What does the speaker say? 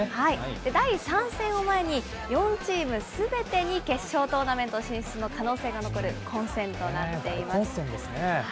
第３戦を前に、４チームすべてに決勝トーナメント進出の可能性が残る混戦となっ大混戦ですね。